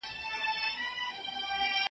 ټولوي مینه عزت او دولتونه .